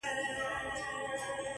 زما له ملا څخه په دې بد راځي.